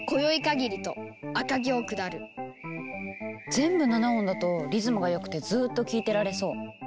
全部７音だとリズムがよくてずっと聴いてられそう。